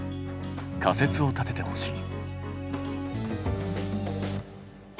仮説を立ててほしい。